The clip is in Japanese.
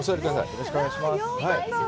よろしくお願いします。